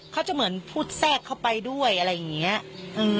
เขาจะเหมือนพูดแทรกเข้าไปด้วยอะไรอย่างเงี้ยอืม